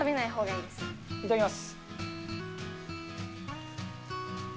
いただきます。